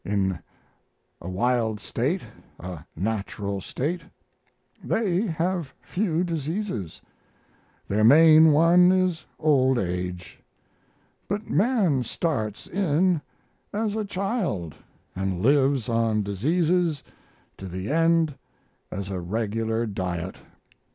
In a wild state, a natural state, they have few diseases; their main one is old age. But man starts in as a child and lives on diseases to the end as a regular diet.